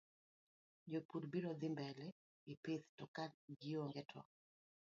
Jopur biro dhi mbele gi pith to ka gionge to